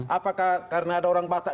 apakah karena ada orang batak